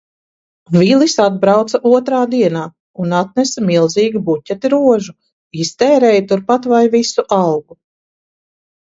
Vilis atbrauca otrā dienā un atnesa milzīgu buķeti rožu, iztērēja turpat vai visu algu.